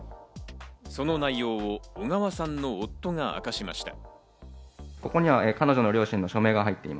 その内容を小川さんの夫が明かしました。